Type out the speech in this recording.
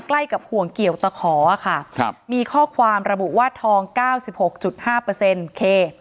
ใกล้กับห่วงเกี่ยวตะขอค่ะครับมีข้อความระบุว่าทองเก้าสิบหกจุดห้าเปอร์เซ็นต์เค